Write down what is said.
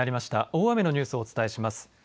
大雨のニュースをお伝えします。